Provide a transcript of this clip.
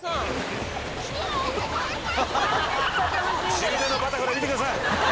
中年のバタフライ見てください！